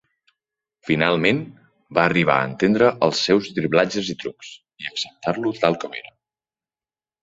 Finalment, va arribar a entendre els seus driblatges i trucs, i a acceptar-lo tal com era.